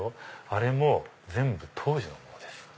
あれも全部当時のものです。